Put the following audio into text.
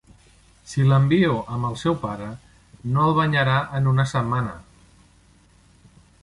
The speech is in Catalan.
Si l'envio amb el seu pare no el banyarà en una setmana.